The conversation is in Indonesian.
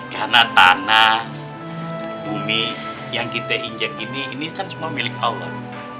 karena tanah bumi yang kita injek ini kan semua milik allah